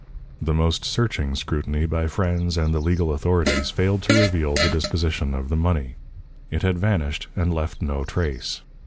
The most searching scrutiny by friends and the legal authorities failed to reveal the disposition of the money. It had vanished, and left no trace.